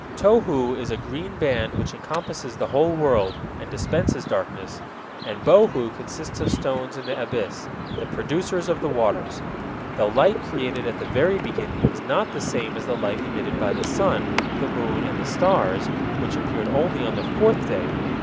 Tohu is a green band which encompasses the whole world, and dispenses darkness, and Bohu consists of stones in the abyss, the producers of the waters. The light created at the very beginning is not the same as the light emitted by the sun, the moon, and the stars, which appeared only on the fourth day.